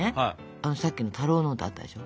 さっきの「たろうノート」あったでしょ。